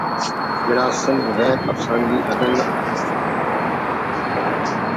گڑاس صنف غیر افسانوی ادب نا ہم اریر ہرافتیٹی بوگ شوگ ہم اوار ءِ بوگ